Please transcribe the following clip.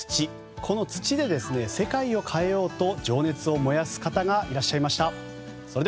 この土で世界を変えようと情熱を燃やす方がいらっしゃいました。